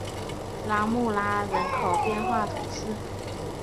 拉穆拉人口变化图示